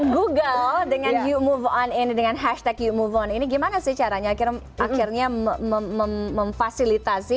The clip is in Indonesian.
google dengan you move on ini dengan hashtag you move on ini gimana sih caranya akhirnya memfasilitasi